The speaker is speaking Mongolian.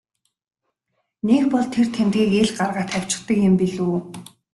Нэг бол тэр тэмдгийг ил гаргаад тавьчихдаг юм билүү.